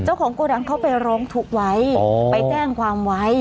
เจ้าของกลัวดังเขาไปร้องถูกไว้อ๋อไปแจ้งความไว้